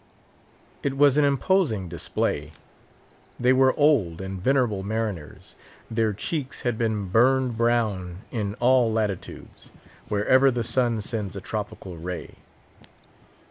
It was an imposing display. They were old and venerable mariners; their cheeks had been burned brown in all latitudes, wherever the sun sends a tropical ray.